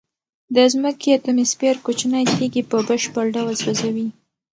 د ځمکې اتموسفیر کوچنۍ تیږې په بشپړ ډول سوځوي.